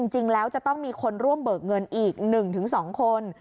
จริงแล้วจะต้องมีคนร่วมเบิกเงินอีก๑๒คน